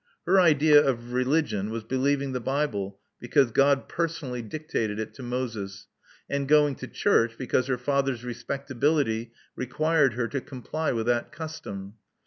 Her idea of religion was believing the Bible because God personally dictated it to Moses, and going to church because her father's respectability required her to comply with that custom.